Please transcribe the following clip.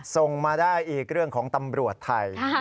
ส่งมาได้อีกเรื่องของตำรวจไทย